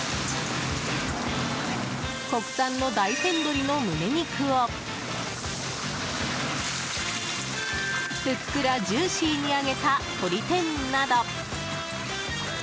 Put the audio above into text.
国産の大山どりの胸肉をふっくらジューシーに揚げたとり天など。